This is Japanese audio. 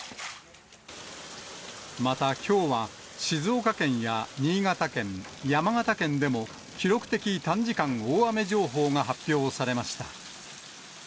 またきょうは静岡県や新潟県、山形県でも、記録的短時間大雨情報が発表されました。